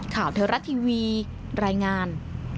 ข่าวเทอรัตน์ทีวีรายงาน